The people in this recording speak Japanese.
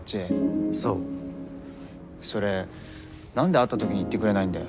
それ何で会った時に言ってくれないんだよ。